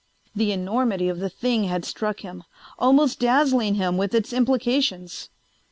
The enormity of the thing had struck him, almost dazzling him with its implications.